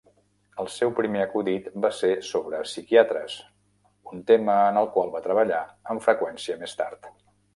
El seu primer acudit va ser sobre psiquiatres, un tema en el qual va treballar amb freqüència més tard.